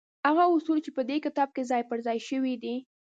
هغه اصول چې په دې کتاب کې ځای پر ځای شوي دي.